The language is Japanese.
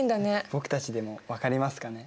僕たちでも分かりますかね？